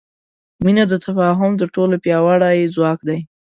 مینه د تفاهم تر ټولو پیاوړی ځواک دی.